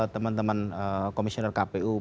teman teman komisioner kpu